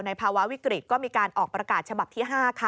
ภาวะวิกฤตก็มีการออกประกาศฉบับที่๕ค่ะ